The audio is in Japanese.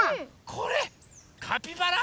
これカピバラ？